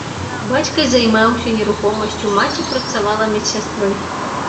Бацька займаўся нерухомасцю, маці працавала медсястрой.